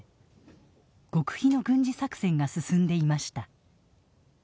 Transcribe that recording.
極秘の軍事作戦が進んでいました。